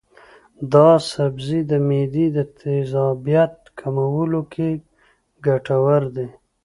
دا سبزی د معدې د تیزابیت کمولو کې ګټور دی.